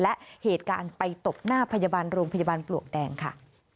และเหตุการณ์ไปตบหน้าพยาบาลโรงพยาบาลปลวกแดงค่ะ